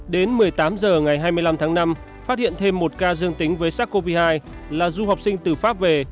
đến một mươi tám h ngày hai mươi năm tháng năm phát hiện thêm một ca dương tính với sars cov hai là du học sinh từ pháp về